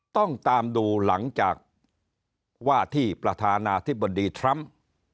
ต้องตามดูหลังจากว่าที่ประธานาธิบดีทรัมป์